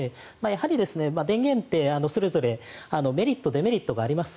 やはり電源ってそれぞれメリット、デメリットがあります。